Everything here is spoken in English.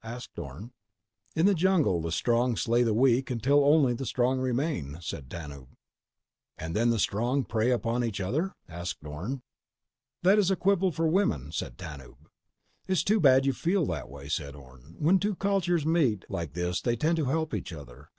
asked Orne. "In the jungle the strong slay the weak until only the strong remain," said Tanub. "And then the strong prey upon each other?" asked Orne. "That is a quibble for women," said Tanub. "It's too bad you feel that way," said Orne. "When two cultures meet like this they tend to help each other.